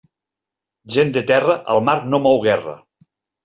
Gent de terra, al mar no mou guerra.